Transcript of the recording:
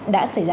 đã xảy ra